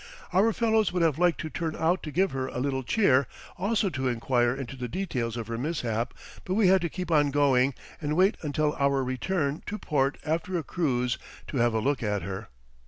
Our fellows would have liked to turn out to give her a little cheer, also to inquire into the details of her mishap, but we had to keep on going, and wait until our return to port after a cruise to have a look at her.